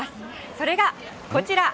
それがこちら。